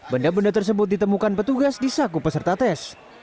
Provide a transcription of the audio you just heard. benda benda tersebut ditemukan petugas di saku peserta tes